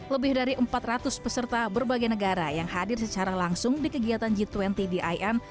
lebih dari empat ratus peserta berbagai negara yang hadir secara langsung di kegiatan g dua puluh di im